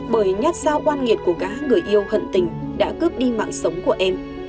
bởi nhát sao quan nghiệt của các người yêu hận tình đã cướp đi mạng sống của em